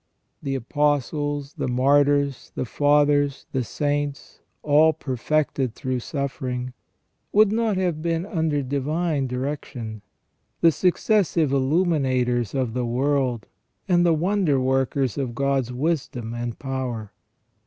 The Apostles, the Martyrs, the Fathers, the Saints, all perfected through suffering, would not have been under divine direction, the successive illuminators of the world, and the wonder workers of God's wisdom and power.